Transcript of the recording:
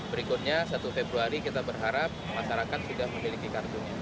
berikutnya satu februari kita berharap masyarakat sudah memiliki kartunya